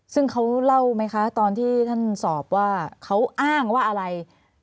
ซึ่งเขาเล่าไหมคะตอนที่ท่านสอบว่าเขาอ้างว่าอะไร